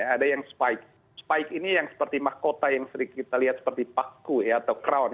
ada yang spike spike ini yang seperti mahkota yang sedikit kita lihat seperti paku atau crown